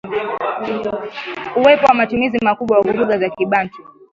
Uwepo wa matumizi makubwa wa lugha za kibantu